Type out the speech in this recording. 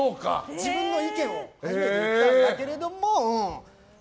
自分の意見を初めて言ったんだけれども。